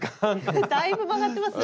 だいぶ曲がってますね。